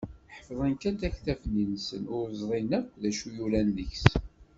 Ḥeffḍen kan taktabt-nni-nsen, ur ẓrin akk d acu yuran deg-s.